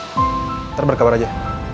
ntar berkabar aja